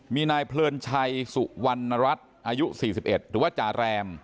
มีนายเพลินชัยสุวรรณรัฐอายุ๔๑หรือว่าจาแรม